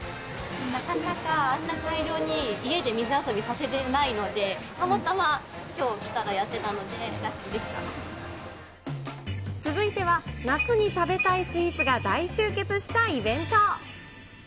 なかなかあんな大量に、家で水遊びさせれないので、たまたまきょう来たら、やってた続いては夏に食べたいスイーツが大集結したイベント。